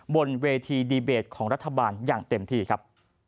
บนเวทีดีเบตของรัฐบาลอย่างเต็มที่ครับ